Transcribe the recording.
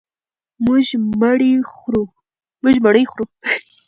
مونږ مڼې خورو.